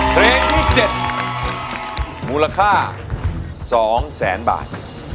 เพลงที่๗มูลค่า๒แสนบาท